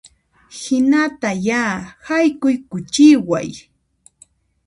Hinata ya, haykuykuchiway